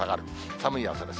寒い朝です。